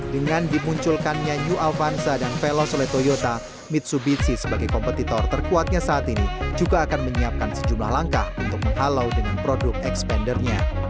dengan dimunculkannya new avanza dan velos oleh toyota mitsubitsi sebagai kompetitor terkuatnya saat ini juga akan menyiapkan sejumlah langkah untuk menghalau dengan produk expandernya